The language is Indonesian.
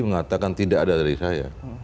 mengatakan tidak ada dari saya